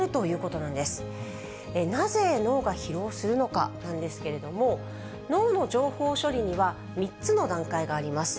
なぜ脳が疲労するのかなんですけれども、脳の情報処理には３つの段階があります。